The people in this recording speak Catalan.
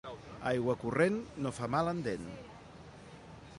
Aigua corrent no fa mal en dent.